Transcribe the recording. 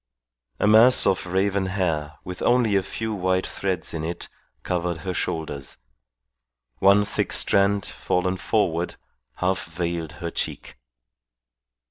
A mass of raven hair with only a few white threads in it covered her shoulders; one thick strand fallen forward half veiled her cheek.